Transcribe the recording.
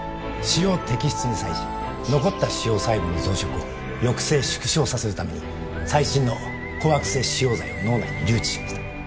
腫瘍摘出に際し残った腫瘍細胞の増殖を抑制縮小させるために最新の抗悪性腫瘍剤を脳内に留置しました。